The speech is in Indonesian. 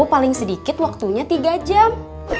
paling sedikit waktunya tiga jam